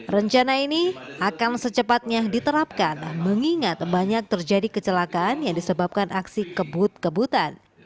rencana ini akan secepatnya diterapkan mengingat banyak terjadi kecelakaan yang disebabkan aksi kebut kebutan